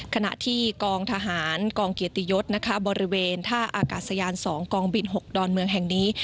ขณะที่กองทหารกองเกียรติยศบริเวณท่าอากาศยาน๒กองบิน๖ดอนเมืองแห่งนี้